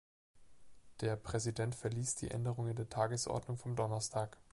Der Präsident verliest die Änderungen der Tagesordnung vom Donnerstag.